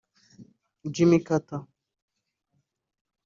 Jimmy Carter